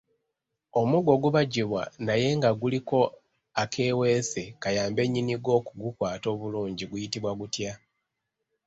Omuggo ogubajjibwa naye nga guliko akeeweese kayambe nnyini gwo okugukwata obulungi guyitibwa gutya?